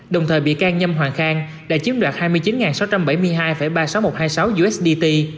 đồng thời bị can nhâm hoàng khang đã chiếm đoạt hai mươi chín sáu trăm bảy mươi hai ba mươi sáu nghìn một trăm hai mươi sáu usd